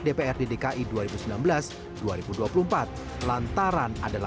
dprd dki dua ribu sembilan belas dua ribu dua puluh empat lantaran adalah